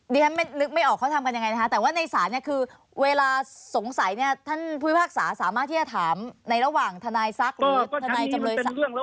ดิฉันนึกไม่ออกเขาทำกันยังไงนะคะแต่ว่าในศาลเนี่ยคือเวลาสงสัยเนี่ยท่านผู้พิพากษาสามารถที่จะถามในระหว่างทนายซักหรือทนายจำเลย